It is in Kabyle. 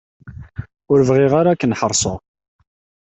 Ur bɣiɣ ara ad ken-ḥeṛseɣ.